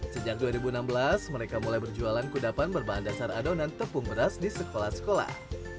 sejak dua ribu enam belas mereka mulai berjualan kudapan berbahan dasar adonan tepung beras di sekolah sekolah